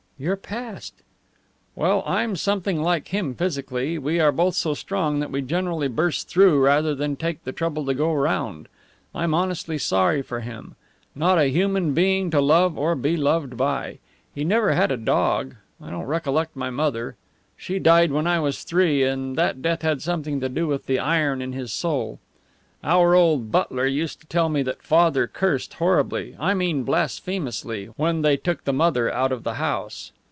"Your past." "Well, I'm something like him physically. We are both so strong that we generally burst through rather than take the trouble to go round. I'm honestly sorry for him. Not a human being to love or be loved by. He never had a dog. I don't recollect my mother; she died when I was three; and that death had something to do with the iron in his soul. Our old butler used to tell me that Father cursed horribly, I mean blasphemously, when they took the mother out of the house.